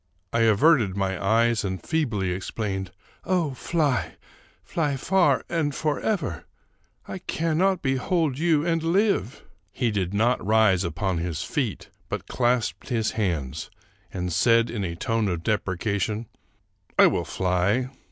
I averted my eyes and feebly exclaimed, " Oh, fly !— fly far and forever !— I cannot behold you and live !" He did not rise upon his feet, but clasped his hands, and said, in a tone of deprecation, " I will fly.